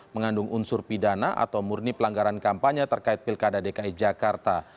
mengandung unsur pidana atau murni pelanggaran kampanye terkait pilkada dki jakarta